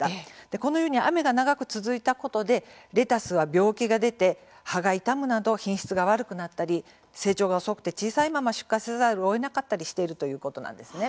このように雨が長く続いたことでレタスは病気が出て葉が傷むなど品質が悪くなったり成長が遅くて小さいまま出荷せざるをえなかったりしているということなんです。